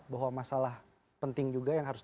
bahwa masalah penting juga yang harus